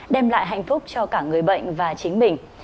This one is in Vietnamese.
đem lại hạnh phúc cho cả người bệnh và chính mình